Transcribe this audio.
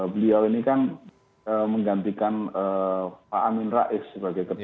beliau ini kan menggantikan pak amin rais sebagai ketua